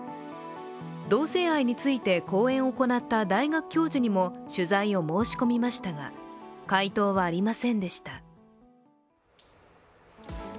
同性愛について講演を行った大学教授にも取材を申し込みましたが、回答はありませんでした。